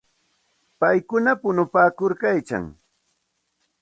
Paykuna punupaakuykalkan.